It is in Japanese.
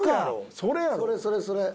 それそれそれ。